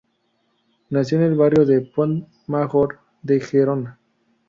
Nació en el barrio del Pont Major de Gerona.